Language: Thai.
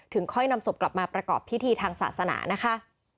ค่อยนำศพกลับมาประกอบพิธีทางศาสนานะคะ